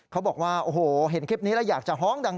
เขาบอกว่าโอ้โหเห็นคลิปนี้แล้วอยากจะฮ้องดัง